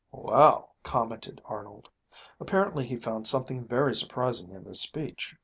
"Well ..." commented Arnold. Apparently he found something very surprising in this speech.